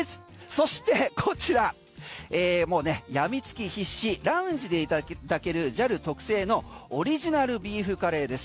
そしてこちらもうね病み付き必至ラウンジでいただけるＪＡＬ特製のオリジナルビーフカレーです。